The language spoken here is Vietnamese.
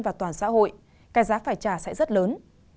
và toàn xã hội cái giá phải trả sẽ rất lớn